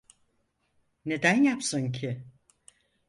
Neden yapsın ki?